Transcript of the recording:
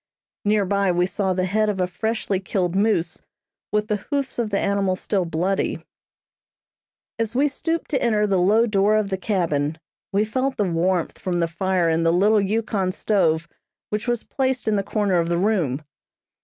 Near by we saw the head of a freshly killed moose, with the hoofs of the animal still bloody. [Illustration: YUKON STEAMER "HANNAH."] As we stooped to enter the low door of the cabin, we felt the warmth from the fire in the little Yukon stove which was placed in the corner of the room.